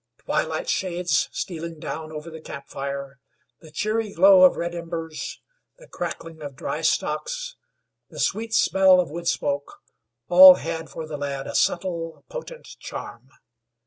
Twilight shades stealing down over the camp fire; the cheery glow of red embers; the crackling of dry stocks; the sweet smell of wood smoke, all had for the lad a subtle, potent charm.